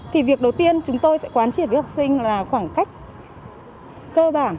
thì việc đầu tiên chúng tôi sẽ quán triệt với học sinh là khoảng cách cơ bản